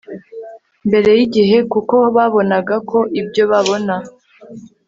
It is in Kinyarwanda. mbere yigihe kuko babonaga ko ibyo babona